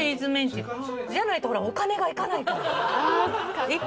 じゃないとほらお金がいかないから。